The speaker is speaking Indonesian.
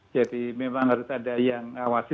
jadi memang harus ada yang awasi